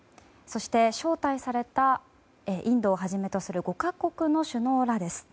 そして招待されたインドをはじめとする５か国の首脳らです。